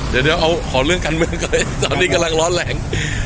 เดี๋ยวเอาขอเรื่องการเมืองก่อนเลยตอนนี้กำลังร้อนแรง